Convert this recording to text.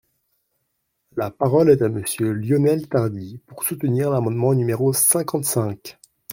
La parole est à Monsieur Lionel Tardy, pour soutenir l’amendement numéro cinquante-cinq.